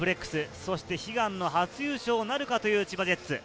そして悲願の初優勝なるかという千葉ジェッツ。